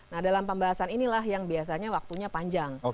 nah dalam pembahasan inilah yang biasanya waktunya panjang